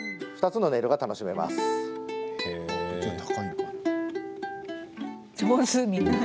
２つの音色が楽しめます。